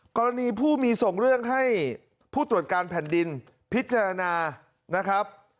กรณีผู้มีส่งเรื่องให้ผู้ตรวจการแผ่นดินพิจารณานะครับ